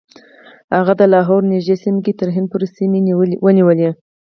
هغه د لاهور نږدې سیمه کې تر هند پورې سیمې ونیولې.